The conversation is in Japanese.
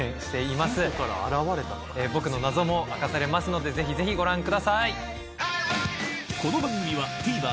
僕の謎も明かされますのでぜひぜひご覧ください。